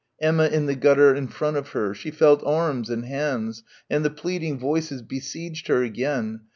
Emma in the gutter in front of her. She felt arms and hands, and the pleading voices besieged her again.